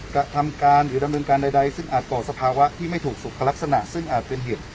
กระทำการหรือดำเนินการใดซึ่งอาจก่อสภาวะที่ไม่ถูกสุขลักษณะซึ่งอาจเป็นเหตุ